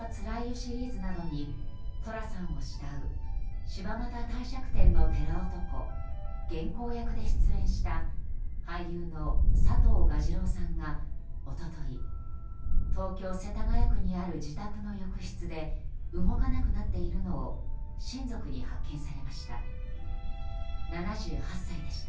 シリーズなどに寅さんを慕う柴又帝釈天の寺男・源公役で出演した俳優の佐藤蛾次郎さんが一昨日、東京・世田谷区にある自宅の浴室で動かなくなっているのを親族に発見されました。